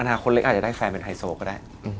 อนาคตเล็กอาจจะได้แฟนเป็นไฮโซก็ได้